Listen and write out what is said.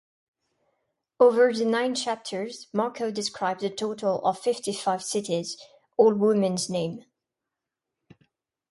Over the nine chapters, Marco describes a total of fifty-five cities, all women's names.